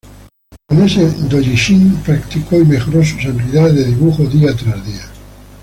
Con ese dōjinshi, practicó y mejoró sus habilidades de dibujo día tras día.